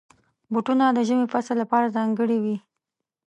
بوټونه د ژمي فصل لپاره ځانګړي وي.